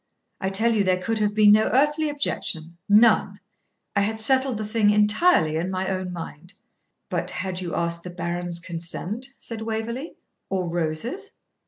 I tell you there could have been no earthly objection none. I had settled the thing entirely in my own mind.' 'But had you asked the Baron's consent,' said Waverley, 'or Rose's?'